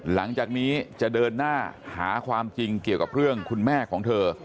หลังจากนี้จะเดินหน้าหาความจริงเกี่ยวกับเรื่องคุณแม่ของเธอ